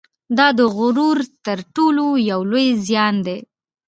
دا د غرور تر ټولو یو لوی زیان دی